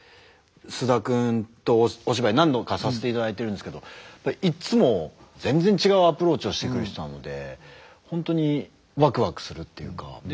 菅田君とお芝居何度かさせていただいてるんですけどいつも全然違うアプローチをしてくる人なので本当にワクワクするっていうか。